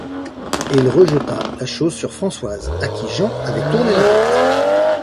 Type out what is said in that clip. Et il rejeta la chose sur Françoise, à qui Jean avait tourné la tête.